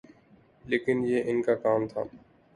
لیکن یہ ان کا کام تھا۔